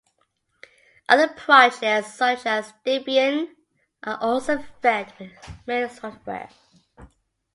Other projects, such as Debian are also fed with MirSoftware.